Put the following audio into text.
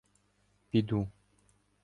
— Піду.